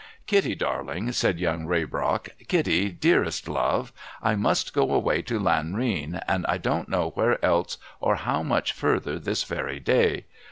' Kitty, darling,' said Young Raybrock, 'Kitty, dearest love, I must go away to Lanrean, and I don't know where else or how much further, this very day.